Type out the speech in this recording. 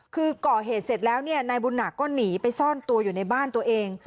คือก่อเหตุเสร็จแล้วเนี่ยนายบุญหนักก็หนีไปซ่อนตัวอยู่ในบ้านตัวเอง